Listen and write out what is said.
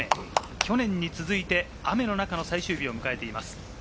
去年に続いて、雨の中の最終日を迎えています。